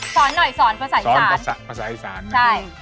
ช้อนหน่อยช้อนภาษาอิสานไม่บุ่ง